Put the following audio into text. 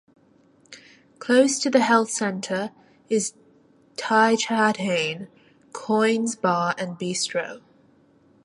Close to the health centre is Tigh Chadhain, Coyne's Bar and Bistro.